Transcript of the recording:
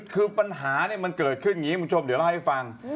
คือปัญหามันเกิดขึ้นอย่างนี้คุณผู้ชมเดี๋ยวเล่าให้ฟัง